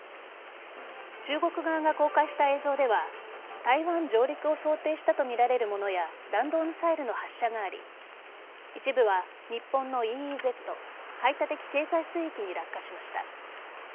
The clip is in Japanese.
中国側が公開した映像では台湾上陸を想定したとみられるものや弾道ミサイルの発射があり一部は日本のＥＥＺ＝排他的経済水域に落下しました。